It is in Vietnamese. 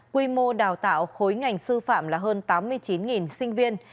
quy mô đào tạo khối ngành sư phạm là hơn tám mươi chín sinh viên